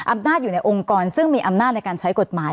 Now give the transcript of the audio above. อำนาจอยู่ในองค์กรซึ่งมีอำนาจในการใช้กฎหมาย